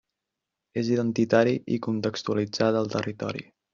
És identitari i contextualitzat al territori.